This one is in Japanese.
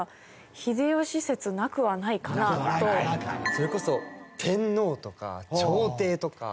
それこそ天皇とか朝廷とか。